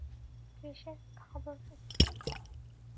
ক্রিসের কী খবর?